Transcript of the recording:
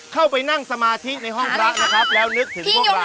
เข้าไปนั่งสมาธิในห้องพระนะครับแล้วนึกถึงพวกเรา